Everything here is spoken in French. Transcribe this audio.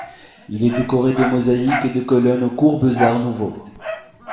Il est décoré de mosaïques et de colonnes au courbes Art nouveau.